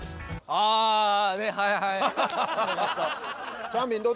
ああーはいはい。